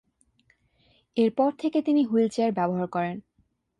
এর পর থেকে তিনি হুইল চেয়ার ব্যবহার করেন।